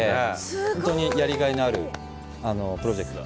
本当にやりがいのあるプロジェクト。